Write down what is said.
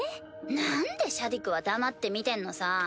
なんでシャディクは黙って見てんのさ？